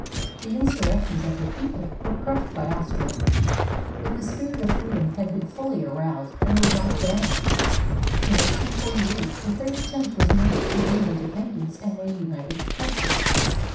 The insurrections of her people were crushed by Austria; but the spirit of freedom had been fully aroused and would not down. In 1848, a third attempt was made to win independence and a united country.